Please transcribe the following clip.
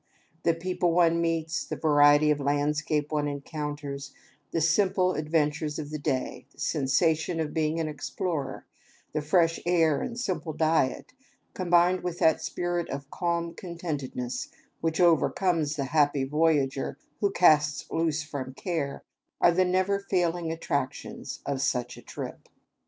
The people one meets, the variety of landscape one encounters, the simple adventures of the day, the sensation of being an explorer, the fresh air and simple diet, combined with that spirit of calm contentedness which overcomes the happy voyager who casts loose from care, are the never failing attractions of such a trip.